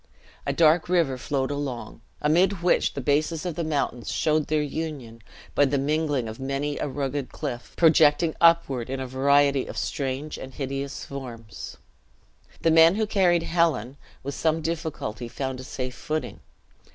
A dark river flowed along, amid which the bases of the mountains showed their union by the mingling of many a rugged cliff, projecting upward in a variety of strange and hideous forms. The men who carried Helen, with some difficulty found a safe footing.